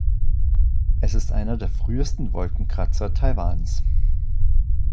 Es ist einer der frühesten Wolkenkratzer Taiwans.